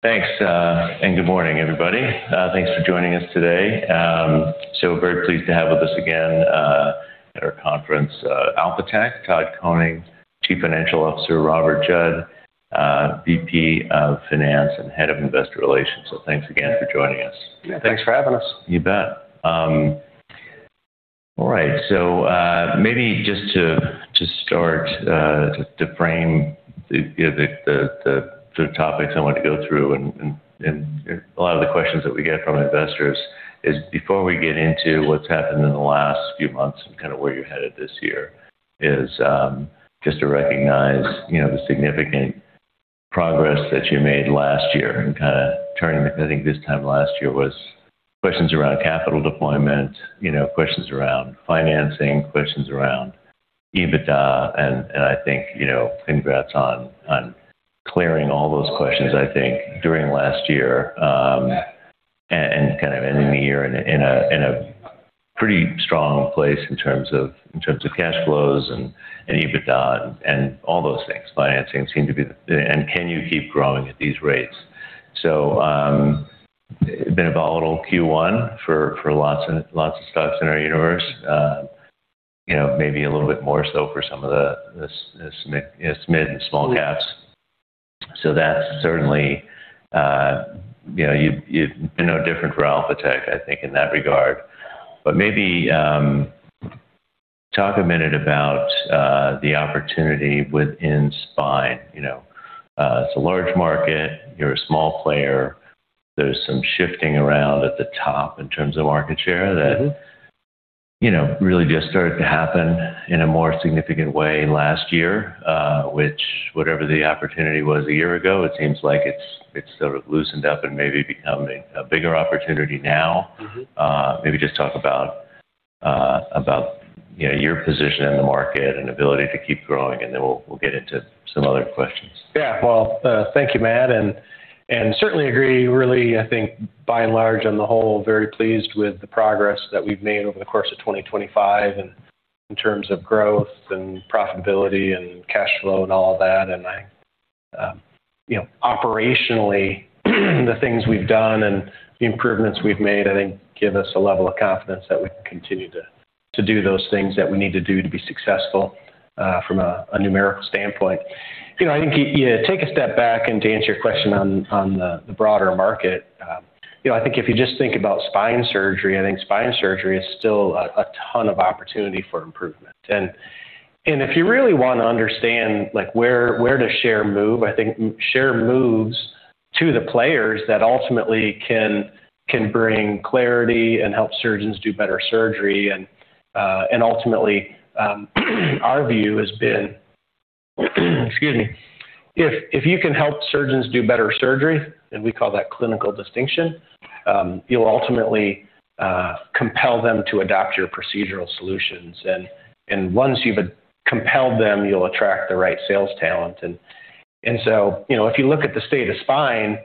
Thanks, and good morning, everybody. Thanks for joining us today. Very pleased to have with us again, at our conference, Alphatec, Todd Koning, Chief Financial Officer, Robert Judd, VP of Finance and Head of Investor Relations. Thanks again for joining us. Yeah, thanks for having us. You bet. All right. Maybe just to start to frame the, you know, the topics I want to go through and a lot of the questions that we get from investors is before we get into what's happened in the last few months and kind of where you're headed this year, is just to recognize, you know, the significant progress that you made last year and kinda turning, I think this time last year was questions around capital deployment, you know, questions around financing, questions around EBITDA. I think, you know, congrats on clearing all those questions, I think, during last year, and kind of ending the year in a pretty strong place in terms of cash flows and EBITDA and all those things. Can you keep growing at these rates? Been a volatile Q1 for lots and lots of stocks in our universe. You know, maybe a little bit more so for some of the SMID and small caps. That's certainly, you know, you've been no different for Alphatec, I think, in that regard. Maybe talk a minute about the opportunity within spine. You know, it's a large market. You're a small player. There's some shifting around at the top in terms of market share. You know, really just started to happen in a more significant way last year, which whatever the opportunity was a year ago, it seems like it's sort of loosened up and maybe becoming a bigger opportunity now. Maybe just talk about your position in the market and ability to keep growing, and then we'll get into some other questions. Yeah. Well, thank you, Matt, and certainly agree, really, I think by and large on the whole, very pleased with the progress that we've made over the course of 2025 and in terms of growth and profitability and cash flow and all that. I you know, operationally, the things we've done and the improvements we've made, I think give us a level of confidence that we can continue to do those things that we need to do to be successful, from a numerical standpoint. You know, I think yeah, take a step back and to answer your question on the broader market, you know, I think if you just think about spine surgery, I think spine surgery is still a ton of opportunity for improvement. If you really wanna understand, like, where does share move, I think share moves to the players that ultimately can bring clarity and help surgeons do better surgery. Ultimately, our view has been, excuse me, if you can help surgeons do better surgery, and we call that clinical distinction, you'll ultimately compel them to adopt your procedural solutions. Once you've compelled them, you'll attract the right sales talent. You know, if you look at the state of spine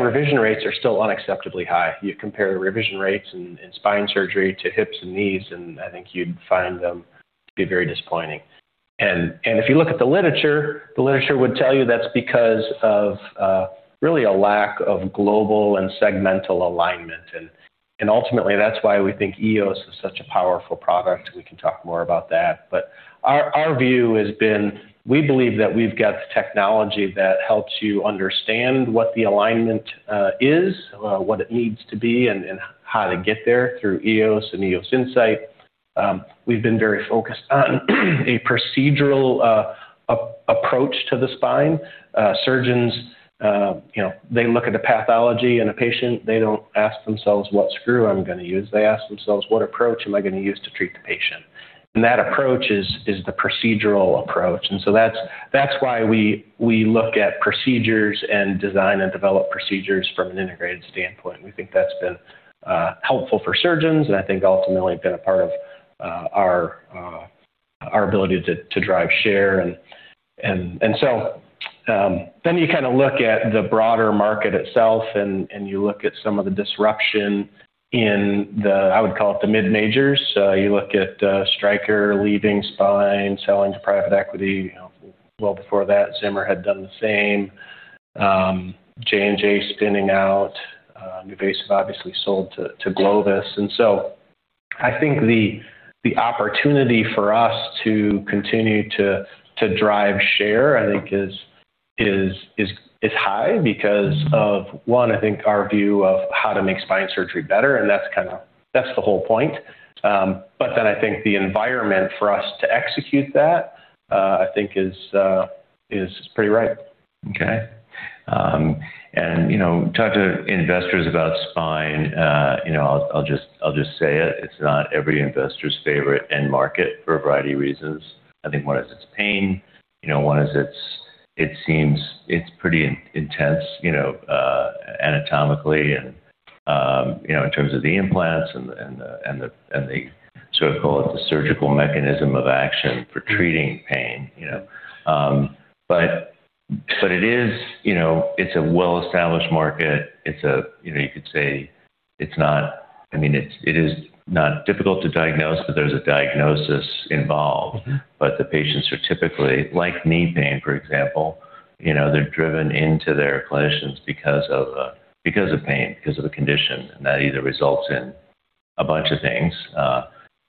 revision rates are still unacceptably high. You compare revision rates in spine surgery to hips and knees, and I think you'd find them to be very disappointing. If you look at the literature, the literature would tell you that's because of really a lack of global and segmental alignment. Ultimately, that's why we think EOS is such a powerful product. We can talk more about that. Our view has been, we believe that we've got the technology that helps you understand what the alignment is, what it needs to be and how to get there through EOS and EOS Insight. We've been very focused on a procedural approach to the spine. Surgeons, you know, they look at the pathology in a patient. They don't ask themselves what screw I'm gonna use. They ask themselves, "What approach am I gonna use to treat the patient?" That approach is the procedural approach. That's why we look at procedures and design and develop procedures from an integrated standpoint. We think that's been helpful for surgeons, and I think ultimately been a part of our ability to drive share. You kinda look at the broader market itself and you look at some of the disruption in the, I would call it the mid-majors. You look at Stryker leaving spine, selling to private equity. Well before that, Zimmer had done the same. J&J spinning out. NuVasive obviously sold to Globus. I think the opportunity for us to continue to drive share, I think is high because of, one, I think our view of how to make spine surgery better, and that's kinda. That's the whole point. I think the environment for us to execute that, I think is pretty right. Okay. You know, talk to investors about spine. You know, I'll just say it. It's not every investor's favorite end market for a variety of reasons. I think one is it's pain. You know, it seems it's pretty intense, you know, anatomically and, you know, in terms of the implants and the sort of, call it the surgical mechanism of action for treating pain, you know. It is, you know, it's a well-established market. You know, you could say it's not. I mean, it is not difficult to diagnose, but there's a diagnosis involved. The patients are typically, like knee pain, for example, you know, they're driven into their clinicians because of pain, because of a condition. That either results in a bunch of things,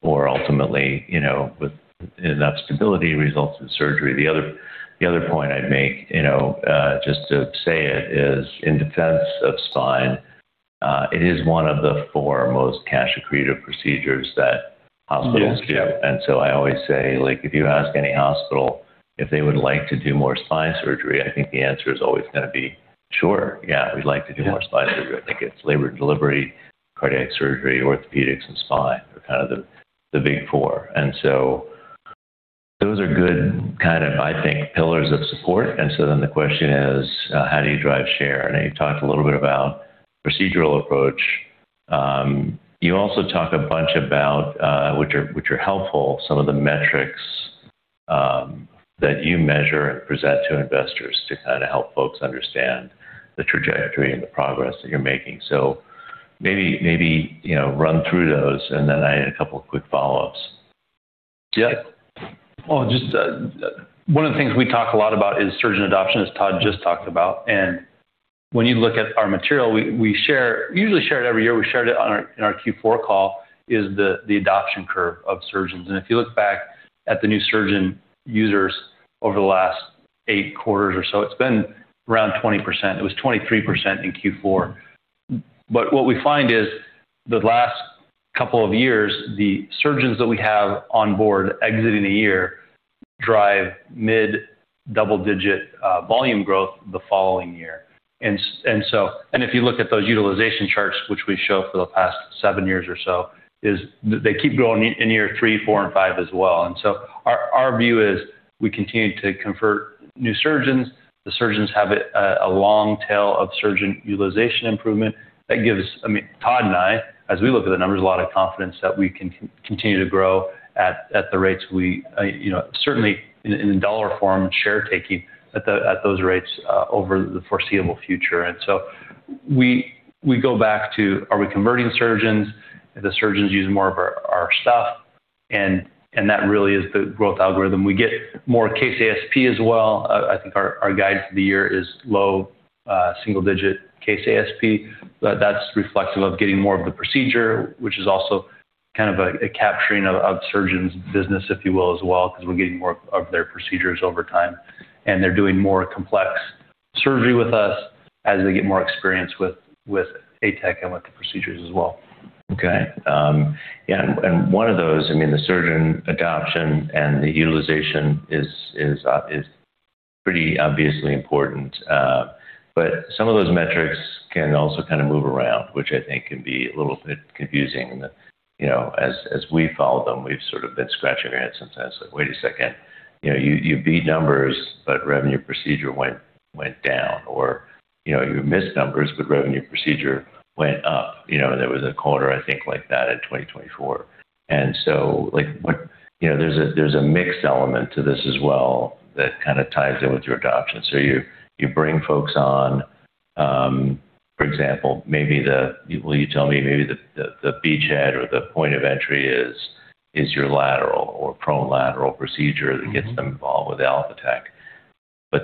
or ultimately, you know, and that stability results in surgery. The other point I'd make, you know, just to say it, is in defense of spine, it is one of the four most cash-accretive procedures that hospitals do. Yes. Yeah. I always say, like, if you ask any hospital if they would like to do more spine surgery, I think the answer is always gonna be, "Sure. Yeah, we'd like to do more spine surgery. Yeah. I think it's labor and delivery, cardiac surgery, orthopedics, and spine are kind of the big four. Those are good kind of, I think, pillars of support. The question is, how do you drive share? I know you talked a little bit about procedural approach. You also talk a bunch about which are helpful, some of the metrics that you measure and present to investors to kinda help folks understand the trajectory and the progress that you're making. Maybe you know, run through those, and then I had a couple of quick follow-ups. Yeah. Well, just one of the things we talk a lot about is surgeon adoption, as Todd just talked about. When you look at our material, we usually share it every year. We shared it in our Q4 call, is the adoption curve of surgeons. If you look back at the new surgeon users over the last eight quarters or so, it's been around 20%. It was 23% in Q4. What we find is, the last couple of years, the surgeons that we have on board exiting a year drive mid-double-digit volume growth the following year. If you look at those utilization charts, which we show for the past seven years or so, is they keep growing in year 3, 4, and 5 as well. Our view is we continue to convert new surgeons. The surgeons have a long tail of surgeon utilization improvement. That gives, I mean, Todd and I, as we look at the numbers, a lot of confidence that we can continue to grow at the rates we certainly in dollar form and share taking at those rates over the foreseeable future. We go back to, are we converting surgeons? Are the surgeons using more of our stuff? That really is the growth algorithm. We get more case ASP as well. I think our guidance for the year is low single digit case ASP. That's reflective of getting more of the procedure, which is also kind of a capturing of surgeons' business, if you will, as well, because we're getting more of their procedures over time, and they're doing more complex surgery with us as they get more experience with ATEC and with the procedures as well. Okay. Yeah, one of those, I mean, the surgeon adoption and the utilization is pretty obviously important. But some of those metrics can also kind of move around, which I think can be a little bit confusing. You know, as we follow them, we've sort of been scratching our heads sometimes like, "Wait a second, you know, you beat numbers, but revenue per procedure went down, or, you know, you missed numbers, but revenue per procedure went up." You know, there was a quarter, I think, like that in 2024. Like, what. You know, there's a mixed element to this as well that kind of ties in with your adoption. You bring folks on, for example, maybe the Well, you tell me maybe the beachhead or the point of entry is your lateral or prone lateral procedure. that gets them involved with Alphatec.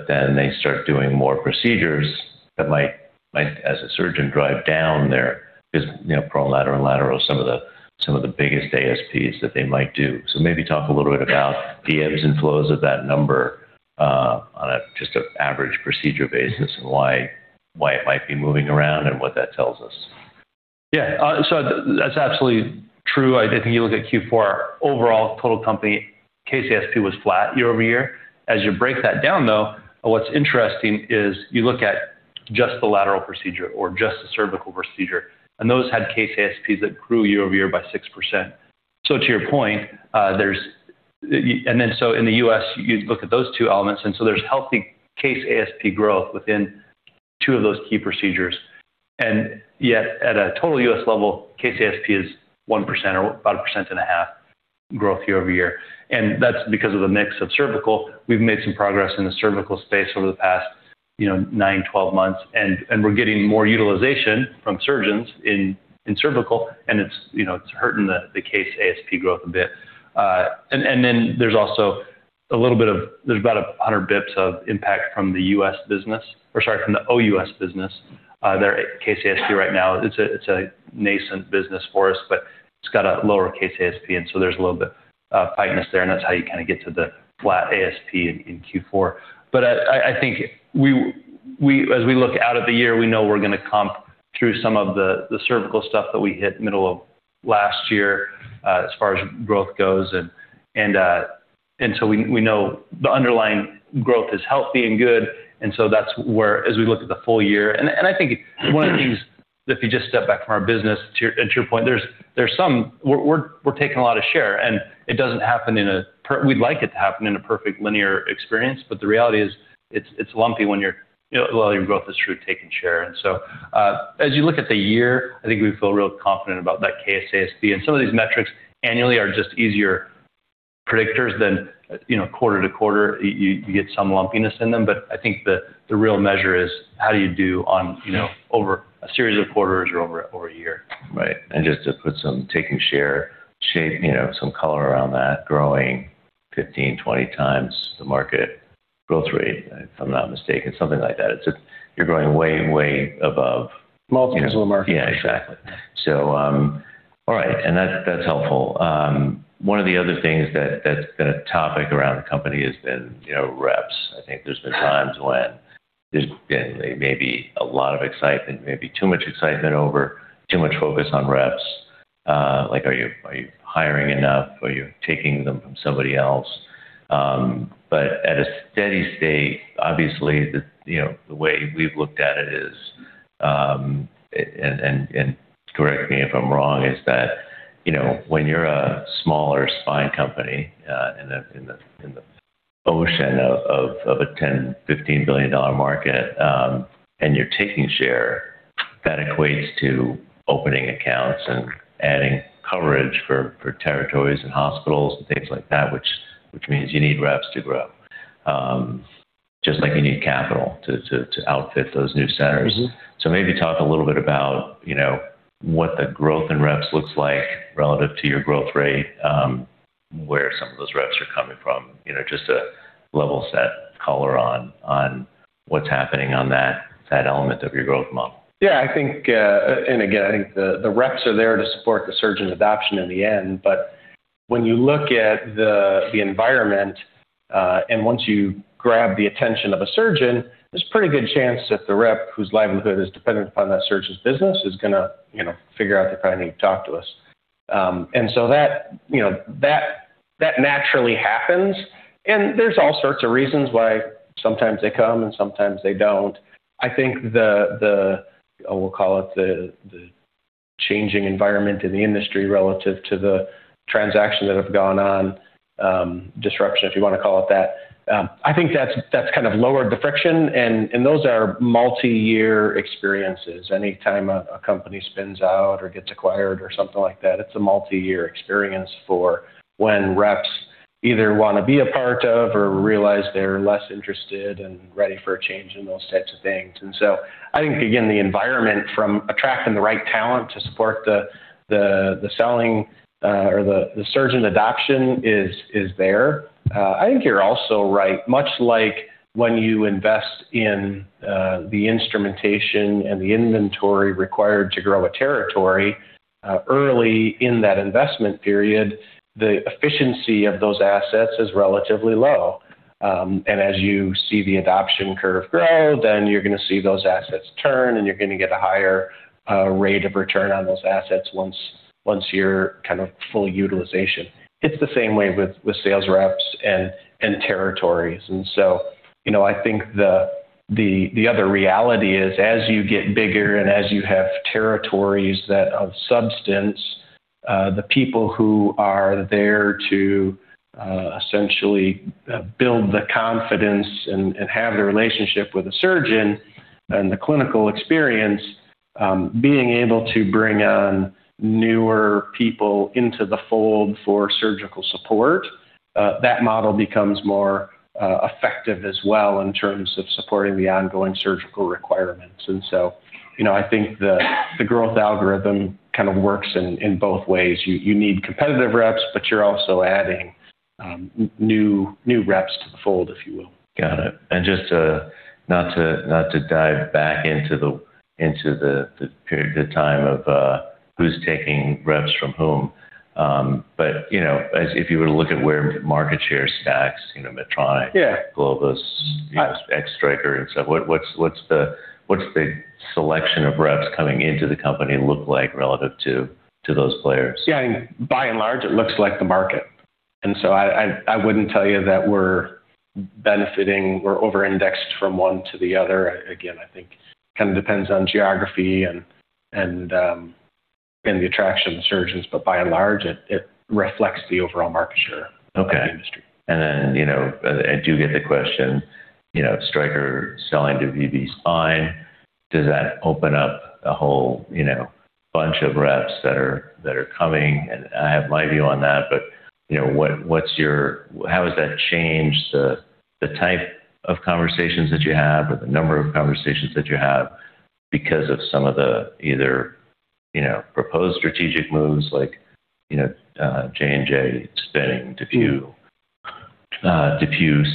Then they start doing more procedures that might, as a surgeon, drive down their business. You know, prone lateral and lateral are some of the biggest ASPs that they might do. Maybe talk a little bit about the ebbs and flows of that number on just an average procedure basis and why it might be moving around and what that tells us. Yeah. That's absolutely true. I think if you look at Q4, overall total company case ASP was flat year-over-year. As you break that down, though, what's interesting is you look at just the lateral procedure or just the cervical procedure, and those had case ASPs that grew year-over-year by 6%. To your point, there's. In the U.S., you look at those two elements, and there's healthy case ASP growth within two of those key procedures. Yet at a total U.S. level, case ASP is 1% or about a 1.5% growth year-over-year. That's because of the mix of cervical. We've made some progress in the cervical space over the past, you know, nine, 12 months. We're getting more utilization from surgeons in cervical, and you know, it's hurting the case ASP growth a bit. Then there's also about 100 basis points of impact from the U.S. business or, sorry, from the OU.S. business. Their case ASP right now, it's a nascent business for us, but it's got a lower case ASP. So there's a little bit of tightness there, and that's how you kinda get to the flat ASP in Q4. I think we, as we look out at the year, we know we're gonna comp through some of the cervical stuff that we hit middle of last year, as far as growth goes. We know the underlying growth is healthy and good, and that's where as we look at the full year. I think one of the things, if you just step back from our business to your point, there's some. We're taking a lot of share, and it doesn't happen. We'd like it to happen in a perfect linear experience, but the reality is, it's lumpy when you know, a lot of your growth is through taking share. As you look at the year, I think we feel real confident about that case ASP. Some of these metrics annually are just easier. Predictors, you know, quarter to quarter you get some lumpiness in them. I think the real measure is how do you do on, you know, over a series of quarters or over a year. Right. Just to put some taking share shape, you know, some color around that growing 15-20 times the market growth rate, if I'm not mistaken, something like that. It's just you're growing way above. Multiples of the market. Yeah, exactly. All right. That's helpful. One of the other things that's been a topic around the company has been, you know, reps. I think there've been times when there's been maybe a lot of excitement, maybe too much excitement over too much focus on reps. Like, are you hiring enough? Are you taking them from somebody else? At a steady state, obviously, you know, the way we've looked at it is, and correct me if I'm wrong, is that, you know, when you're a smaller spine company, in the ocean of a $10 billion-$15 billion market, and you're taking share, that equates to opening accounts and adding coverage for territories and hospitals and things like that, which means you need reps to grow, just like you need capital to outfit those new centers. Maybe talk a little bit about, you know, what the growth in reps looks like relative to your growth rate, where some of those reps are coming from. You know, just to level set color on what's happening on that element of your growth model. Yeah, I think, and again, I think the reps are there to support the surgeon adoption in the end. When you look at the environment, and once you grab the attention of a surgeon, there's a pretty good chance that the rep whose livelihood is dependent upon that surgeon's business is gonna, you know, figure out they probably need to talk to us. That, you know, that naturally happens. There's all sorts of reasons why sometimes they come and sometimes they don't. I think we'll call it the changing environment in the industry relative to the transactions that have gone on, disruption, if you wanna call it that. I think that's kind of lowered the friction and those are multi-year experiences. Anytime a company spins out or gets acquired or something like that, it's a multi-year experience for when reps either wanna be a part of or realize they're less interested and ready for a change and those types of things. I think, again, the environment from attracting the right talent to support the selling or the surgeon adoption is there. I think you're also right, much like when you invest in the instrumentation and the inventory required to grow a territory early in that investment period, the efficiency of those assets is relatively low. As you see the adoption curve grow, then you're gonna see those assets turn, and you're gonna get a higher rate of return on those assets once you're kind of full utilization. It's the same way with sales reps and territories. You know, I think the other reality is as you get bigger and as you have territories that of substance, the people who are there to essentially build the confidence and have the relationship with the surgeon and the clinical experience, being able to bring on newer people into the fold for surgical support, that model becomes more effective as well in terms of supporting the ongoing surgical requirements. You know, I think the growth algorithm kind of works in both ways. You need competitive reps, but you're also adding new reps to the fold, if you will. Got it. Just to not dive back into the period, the time of who's taking reps from whom. But you know, as if you were to look at where market share stacks, you know, Medtronic. Yeah Globus, you know, ex Stryker and stuff. What's the selection of reps coming into the company look like relative to those players? Yeah. By and large, it looks like the market. I wouldn't tell you that we're benefiting or over-indexed from one to the other. Again, I think kind of depends on geography and the attraction of the surgeons, but by and large, it reflects the overall market share. Okay of the industry. Then, you know, I do get the question, you know, Stryker selling to VB Spine, does that open up a whole, you know, bunch of reps that are coming? I have my view on that, but, you know, what's your, how has that changed the type of conversations that you have or the number of conversations that you have because of some of the either, you know, proposed strategic moves like, you know, J&J spinning DePuy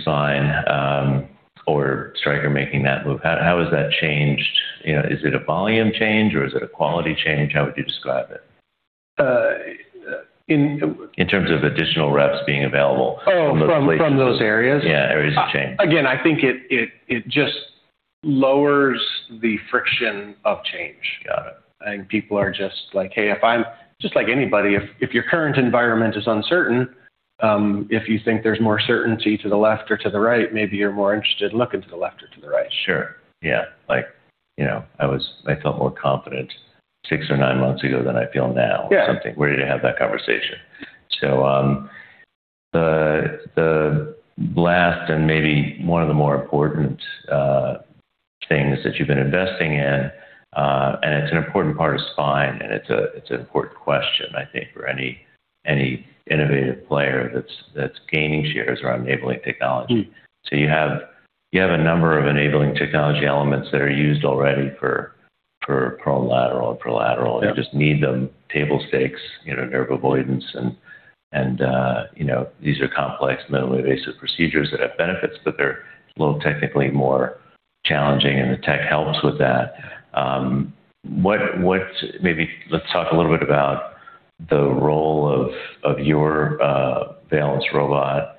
Spine, or Stryker making that move? How has that changed? You know, is it a volume change or is it a quality change? How would you describe it? In terms of additional reps being available from those places. Oh, from those areas? Yeah, areas of change. Again, I think it just lowers the friction of change. Got it. I think people are just like just like anybody, if your current environment is uncertain, if you think there's more certainty to the left or to the right, maybe you're more interested in looking to the left or to the right. Sure. Yeah. Like, you know, I felt more confident 6 or 9 months ago than I feel now. Yeah. Something. We're gonna have that conversation. The last and maybe one of the more important things that you've been investing in, and it's an important part of spine, and it's an important question, I think, for any innovative player that's gaining shares around enabling technology. You have a number of enabling technology elements that are used already for prone lateral. Yeah. You just need them table stakes, you know, nerve avoidance and, you know, these are complex, minimally invasive procedures that have benefits, but they're a little technically more challenging, and the tech helps with that. What maybe let's talk a little bit about the role of your, Valence robot,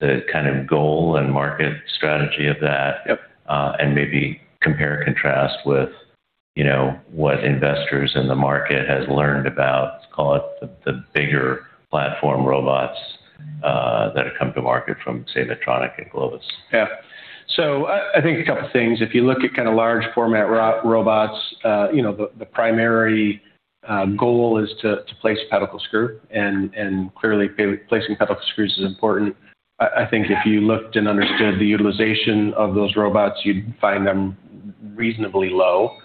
the kind of goal and market strategy of that. Yep. Maybe compare and contrast with, you know, what investors in the market has learned about, let's call it, the bigger platform robots that have come to market from, say, Medtronic and Globus. Yeah. I think a couple things. If you look at kinda large format robots, you know, the primary goal is to place pedicle screw. Clearly placing pedicle screws is important. I think if you looked and understood the utilization of those robots, you'd find them reasonably low.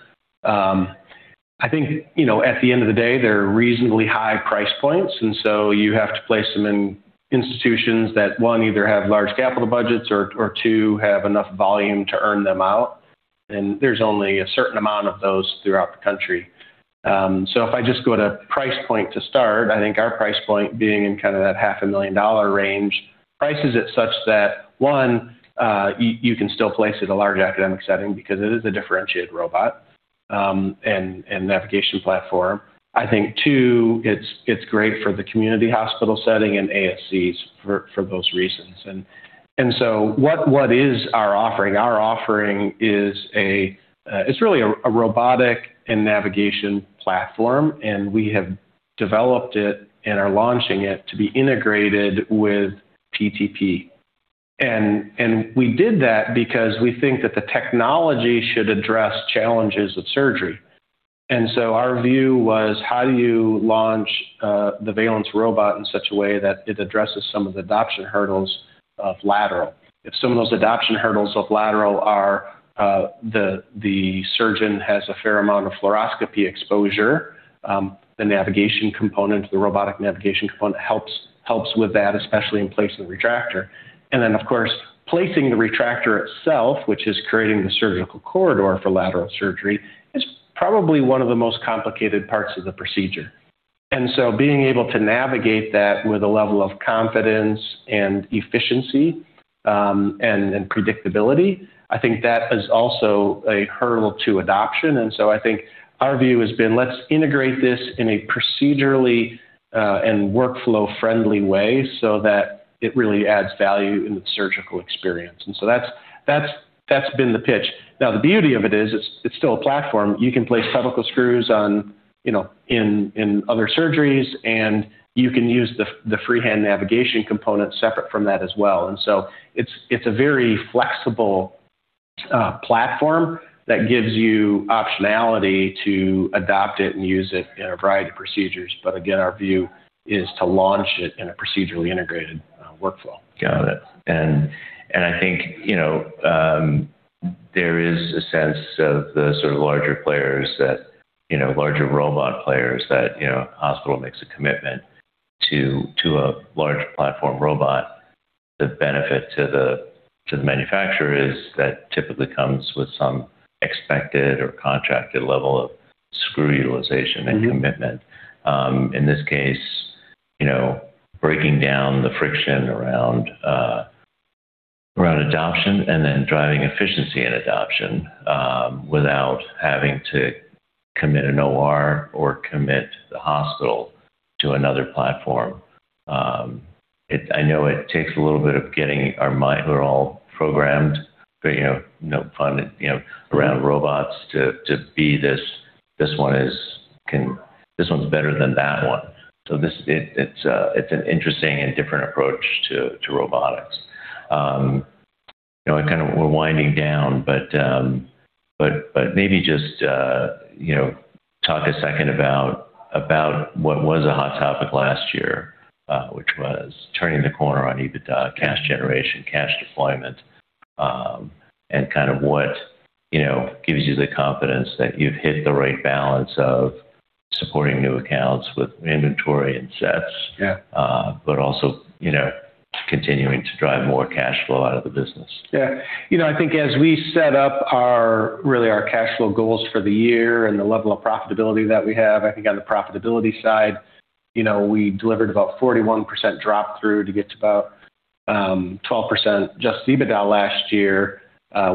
I think, you know, at the end of the day, they're reasonably high price points, and so you have to place them in institutions that, one, either have large capital budgets or two, have enough volume to earn them out. There's only a certain amount of those throughout the country. If I just go to price point to start, I think our price point being in kind of that half a million dollar range prices it such that one, you can still place at a large academic setting because it is a differentiated robot and navigation platform. I think two, it's great for the community hospital setting and ASCs for those reasons. What is our offering? Our offering is really a robotic and navigation platform, and we have developed it and are launching it to be integrated with PTP. We did that because we think that the technology should address challenges with surgery. Our view was how do you launch the Valence robot in such a way that it addresses some of the adoption hurdles of lateral. If some of those adoption hurdles of lateral are the surgeon has a fair amount of fluoroscopy exposure, the navigation component, the robotic navigation component helps with that, especially in placing the retractor. Then, of course, placing the retractor itself, which is creating the surgical corridor for lateral surgery, is probably one of the most complicated parts of the procedure. Being able to navigate that with a level of confidence and efficiency, and predictability, I think that is also a hurdle to adoption. I think our view has been, let's integrate this in a procedurally, and workflow-friendly way so that it really adds value in the surgical experience. That's been the pitch. Now, the beauty of it is it's still a platform. You can place pedicle screws on, you know, in other surgeries, and you can use the freehand navigation component separate from that as well. It's a very flexible platform that gives you optionality to adopt it and use it in a variety of procedures. But again, our view is to launch it in a procedurally integrated workflow. Got it. I think, you know, there is a sense of the sort of larger players that, you know, larger robot players that, you know, a hospital makes a commitment to a large platform robot. The benefit to the manufacturer is that typically comes with some expected or contracted level of screw utilization. commitment. In this case, you know, breaking down the friction around adoption and then driving efficiency and adoption, without having to commit an OR or commit the hospital to another platform. I know it takes a little bit. We're all programmed, you know, fun, you know, around robots to be this one's better than that one. It's an interesting and different approach to robotics. You know, kind of we're winding down, but maybe just, you know, talk a second about what was a hot topic last year, which was turning the corner on EBITDA cash generation, cash deployment, and kind of what, you know, gives you the confidence that you've hit the right balance of supporting new accounts with inventory and sets- Yeah you know, continuing to drive more cash flow out of the business. Yeah. You know, I think as we set up our, really our cash flow goals for the year and the level of profitability that we have, I think on the profitability side, you know, we delivered about 41% drop-through to get to about 12% adjusted EBITDA last year.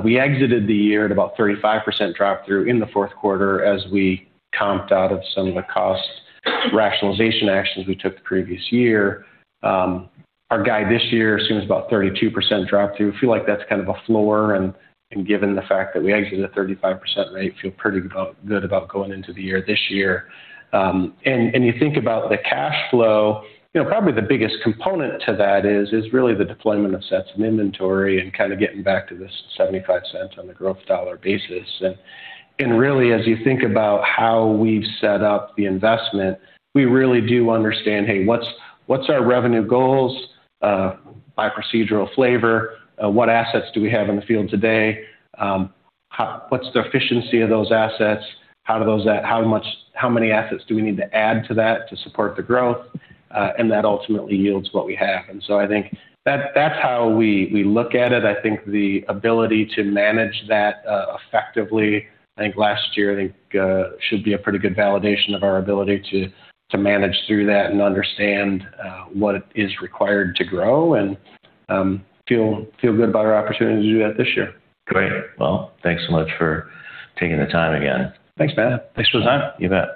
We exited the year at about 35% drop-through in the fourth quarter as we comped out of some of the cost rationalization actions we took the previous year. Our guide this year assumes about 32% drop-through. Feel like that's kind of a floor and given the fact that we exited at 35% rate, feel pretty good about going into the year this year. You think about the cash flow, you know, probably the biggest component to that is really the deployment of sets and inventory and kinda getting back to this $0.75 On the growth dollar basis. Really as you think about how we've set up the investment, we really do understand, hey, what's our revenue goals by procedural flavor? What assets do we have in the field today? What's the efficiency of those assets? How many assets do we need to add to that to support the growth? That ultimately yields what we have. I think that's how we look at it. I think the ability to manage that effectively. I think last year I think should be a pretty good validation of our ability to manage through that and understand what is required to grow and feel good about our opportunity to do that this year. Great. Well, thanks so much for taking the time again. Thanks, Matt. Thanks for the time. You bet.